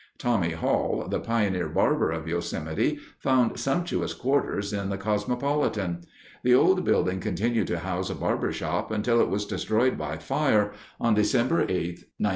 Tommy Hall, the pioneer barber of Yosemite, found sumptuous quarters in the Cosmopolitan. The old building continued to house a barber shop until it was destroyed by fire on December 8, 1932.